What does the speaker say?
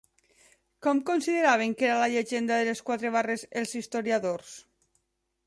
Com consideraven que era la llegenda de les quatre barres els historiadors?